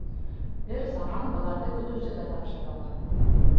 Бер заман быларҙы көтөүсегә тапшыралар.